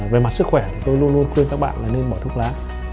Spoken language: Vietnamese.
về mặt sức khỏe thì tôi luôn luôn khuyên các bạn là nên bỏ thuốc lá